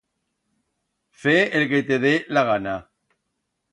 Fe el que te dé la gana.